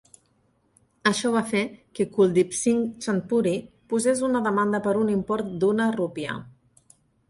Això va fer que Kuldip Singh Chandpuri posés una demanda per un import d'una rupia.